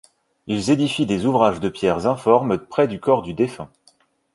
Ils édifient des ouvrages de pierre informes près du corps du défunt.